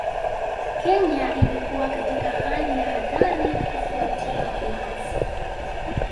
Kenya ilikuwa katika hali ya hatari kufuatia uasi